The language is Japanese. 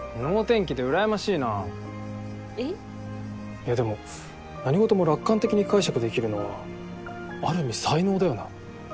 いやでも何事も楽観的に解釈できるのはある意味才能だよな。